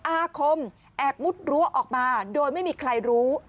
อาคมแอบมุดรั้วออกมาโดยไม่มีใครรู้